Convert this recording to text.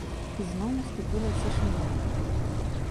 І зноў наступіла цішыня.